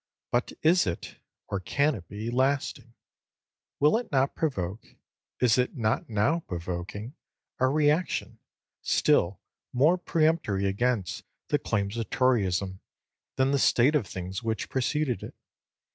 But is it, or can it be, lasting? Will it not provoke is it not now provoking a re action still more peremptory against the claims of Toryism, than the state of things which preceded it?